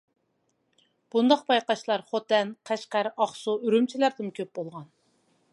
بۇنداق بايقاشلار خوتەن، قەشقەر، ئاقسۇ، ئۈرۈمچىلەردىمۇ كۆپ بولغان.